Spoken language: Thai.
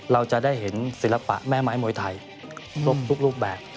เราจะได้เห็นศิลปะแม่ไม้มวยไทยครบทุกรูปแบบ